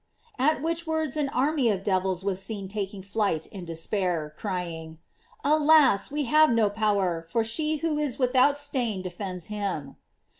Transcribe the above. At which words an army of devils was seen taking flight in despair, crying: "Alas! we have no power, for she who is without stain defends him."